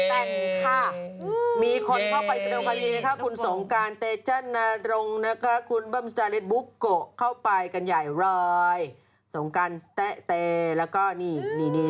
มีคนเข้าไปเสด็จความดีนะคะคุณสงการเต้จันทรงนะคะคุณบ้ำสตาเลสบุ๊คโกะเข้าไปกันใหญ่รอยสงการเตะเตะแล้วก็นี่ค่ะ